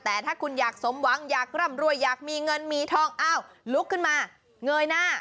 แต่ถ้าคุณอยากสมหวังอยากร่ำรวยอยากมีเงินมีทองอ้าวลุกขึ้นมาเงยหน้า